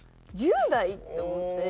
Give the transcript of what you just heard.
１０代！？って思って。